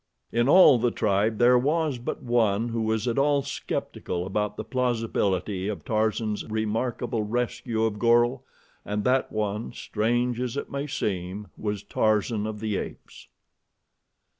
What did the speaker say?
In all the tribe there was but one who was at all skeptical about the plausibility of Tarzan's remarkable rescue of Goro, and that one, strange as it may seem, was Tarzan of the Apes.